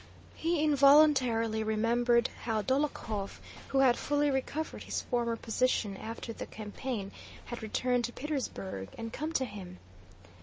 He involuntarily remembered how Dólokhov, who had fully recovered his former position after the campaign, had returned to Petersburg and come to him.